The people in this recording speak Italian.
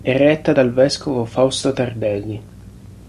È retta dal vescovo Fausto Tardelli.